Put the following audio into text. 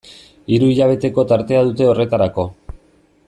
Hiru hilabeteko tartea dute horretarako.